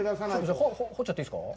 掘っちゃっていいですか。